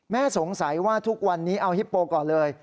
สงสัยว่าทุกวันนี้เอาฮิปโปก่อนเลย